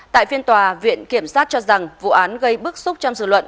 tại phiên tòa viện kiểm sát cho rằng vụ án gây bức xúc trong dự luận